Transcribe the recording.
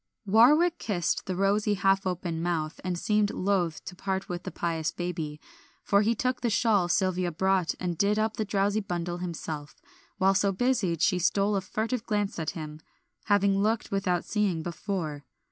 Warwick kissed the rosy half open mouth and seemed loth to part with the pious baby, for he took the shawl Sylvia brought and did up the drowsy bundle himself. While so busied she stole a furtive glance at him, having looked without seeing before.